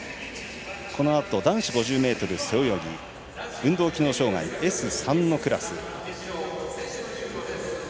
このあと、男子５０ｍ背泳ぎ運動機能障がいＳ３のクラス。